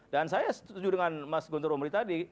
dan saya setuju dengan mas gunter omri tadi